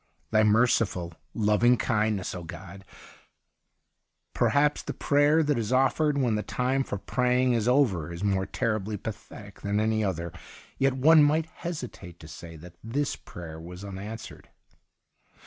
Thy merciful loving kindness, O God !' Perhaps the prayer that is offered when the time for praying is over is more terribly pathetic than any other. Yet one might hesitate to say that this prayer was unanswered.